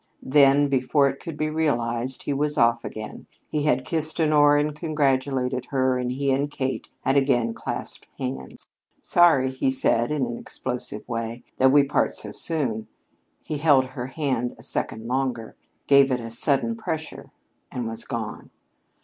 Then, before it could be realized, he was off again. He had kissed Honora and congratulated her, and he and Kate had again clasped hands. "Sorry," he said, in his explosive way, "that we part so soon." He held her hand a second longer, gave it a sudden pressure, and was gone.